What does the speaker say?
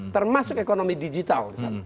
termasuk ekonomi digital